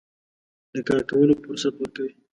د کار کولو فرصت ورکوي.